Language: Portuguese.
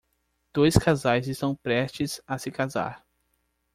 Dois casais estão prestes a se casar